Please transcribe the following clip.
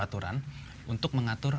aturan untuk mengatur